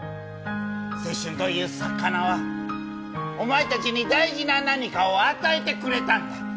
青春という魚はお前たちに大事な何かを与えてくれたんだ。